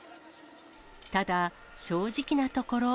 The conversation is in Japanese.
ただ、正直なところ。